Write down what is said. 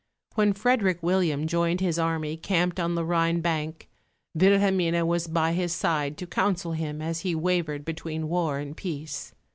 When Frederick William joined his army camped on the Rhine bank, Wilhelmine was by his side to counsel him as he wavered between war and peace.